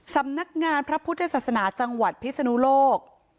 สำนักงานพระพุทธศาสนาจังหวัดพิศนุโลก